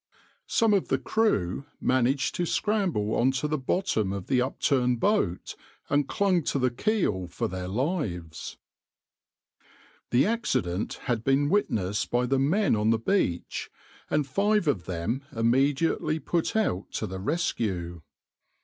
Some of the crew managed to scramble on to the bottom of the upturned boat and clung to the keel for their lives.\par The accident had been witnessed by the men on the beach, and five of them immediately put out to the rescue.